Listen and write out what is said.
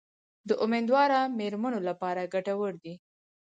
د امیندواره میرمنو لپاره ګټور دي.